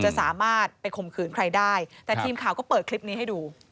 จะสามารถไปข่มขืนใครได้แต่ทีมข่าวก็เปิดคลิปนี้ให้ดู